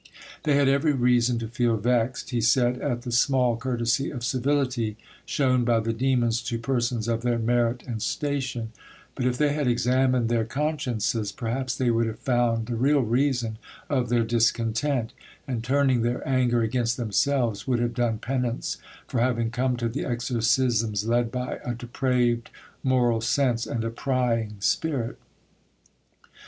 "They had every reason to feel vexed," he said, "at the small courtesy or civility shown by the demons to persons of their merit and station; but if they had examined their consciences, perhaps they would have found the real reason of their discontent, and, turning their anger against themselves, would have done penance for having come to the exorcisms led by a depraved moral sense and a prying spirit."